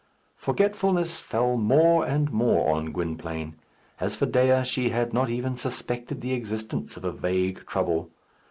Forgetfulness fell more and more on Gwynplaine. As for Dea, she had not even suspected the existence of a vague trouble.